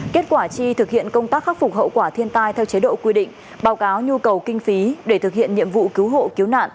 kết quả chi thực hiện công tác khắc phục hậu quả thiên tai theo chế độ quy định báo cáo nhu cầu kinh phí để thực hiện nhiệm vụ cứu hộ cứu nạn